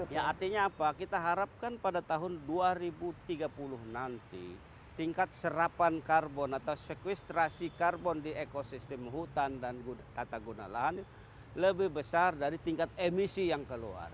ya artinya apa kita harapkan pada tahun dua ribu tiga puluh nanti tingkat serapan karbon atau sequestrasi karbon di ekosistem hutan dan tata guna lahan lebih besar dari tingkat emisi yang keluar